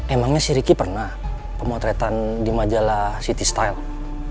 emangnya si ricky pernah pemotretan di majalah city style